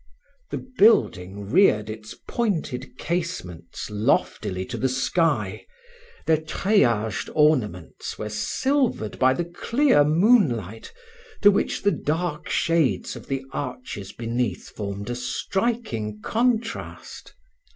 The building reared its pointed casements loftily to the sky: their treillaged ornaments were silvered by the clear moon light, to which the dark shades of the arches beneath formed a striking contrast.